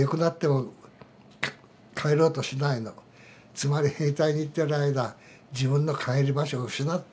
つまり兵隊に行ってる間自分の帰る場所を失ってるんですよ。